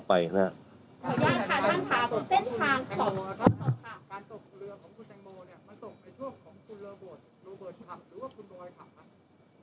การการตกเขาในเรือในช่วงคุณเลอเบิร์ตคลับหรือว่าดังไงบ้างครับ